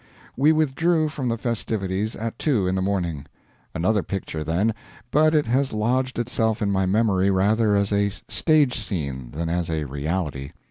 We withdrew from the festivities at two in the morning. Another picture, then but it has lodged itself in my memory rather as a stage scene than as a reality.